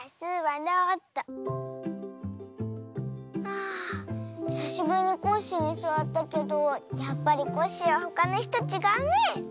あひさしぶりにコッシーにすわったけどやっぱりコッシーはほかのいすとちがうね。